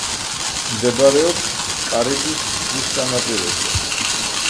მდებარეობს კარიბის ზღვის სანაპიროზე.